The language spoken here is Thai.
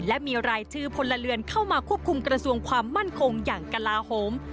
และมีรายชื่อพลเรือนเข้ามาควบคุมกระทรวงความมั่นคงอย่างกลาโหม